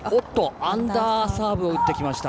アンダーサーブを打ってきました。